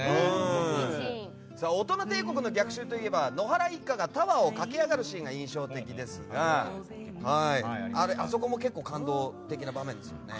「オトナ帝国の逆襲」といえば野原一家がタワーをかけ上げるシーンが印象的ですがあそこも結構感動的な場面ですよね。